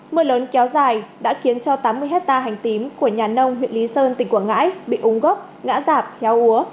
mưa lớn kéo dài đã khiến cho tám mươi hectare hành tím của nhà nông huyện lý sơn tỉnh quảng ngãi bị úng gốc ngã giạp héo úa